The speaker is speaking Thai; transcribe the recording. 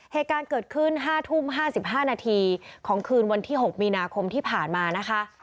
เหตุการณ์เกิดขึ้น๕ทุ่ม๕๕นาทีของคืนวันที่๖มีนาคมที่ผ่านมานะคะ